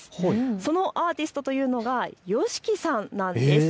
そのアーティストというのがＹＯＳＨＩＫＩさんなんです。